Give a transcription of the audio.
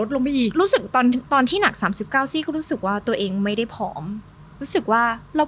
ตอนนางที่หนัก๓๙ซีก็รู้สึกว่าตัวเองไม่ได้ผอมรู้สึกว่าเรา